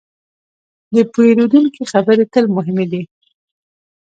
د پیرودونکي خبرې تل مهمې دي.